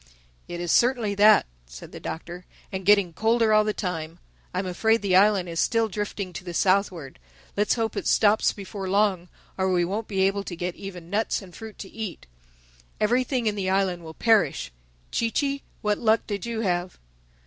"It is certainly that," said the Doctor—"and getting colder all the time. I'm afraid the island is still drifting to the southward. Let's hope it stops before long, or we won't be able to get even nuts and fruit to eat—everything in the island will perish—Chee Chee, what luck did you have?"